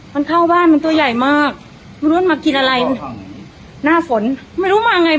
มันเข้าบ้านมันตัวใหญ่มากไม่รู้รถมากินอะไรหน้าฝนไม่รู้มาไง